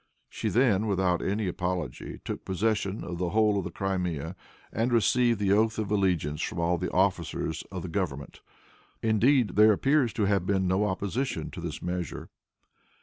She then, without any apology, took possession of the whole of the Crimea, and received the oath of allegiance from all the officers of the government. Indeed, there appears to have been no opposition to this measure.